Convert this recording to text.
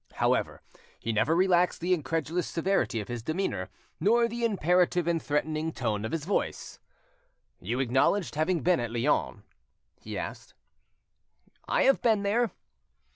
However, he never relaxed the incredulous severity of his demeanour, nor the imperative and threatening tone of his voice. "You acknowledge having been at Lyons?" he asked. "I have been there."